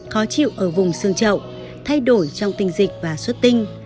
khó chịu ở vùng xương trậu thay đổi trong tình dịch và xuất tinh